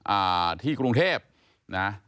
อ่าที่กรุงเทพนะ